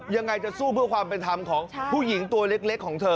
ยังไงจะสู้เพื่อความเป็นธรรมของผู้หญิงตัวเล็กของเธอ